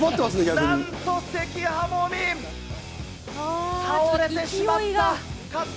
なんと、関はもみん、倒れてしまった。